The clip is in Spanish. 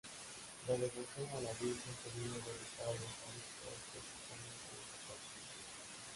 La devoción a la virgen provino del estado de Jalisco, específicamente de Zapopan.